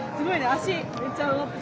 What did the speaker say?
足めっちゃ上がってた。